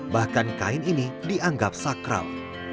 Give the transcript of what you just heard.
bahkan kain ini dianggap sakral